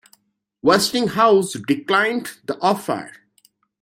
Westinghouse declined the offer.